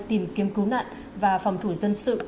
tìm kiếm cứu nạn và phòng thủ dân sự